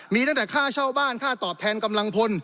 มีตั้งแต่ค่าเช่าบ้านค่าตอบแทนกำลังพล